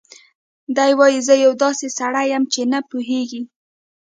دی وايي: "زه یو داسې سړی یم چې نه پوهېږي